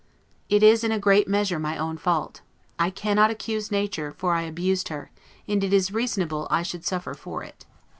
It is in a great measure my own fault; I cannot accuse Nature, for I abused her; and it is reasonable I should suffer for it.